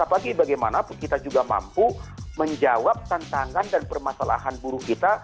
apalagi bagaimana kita juga mampu menjawab tantangan dan permasalahan buruh kita